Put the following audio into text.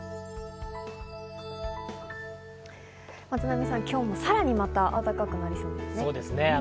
松並さん、今日もさらにまた暖かくなりそうですね。